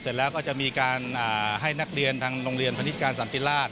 เสร็จแล้วก็จะมีการให้นักเรียนทางโรงเรียนพนิษการสันติราช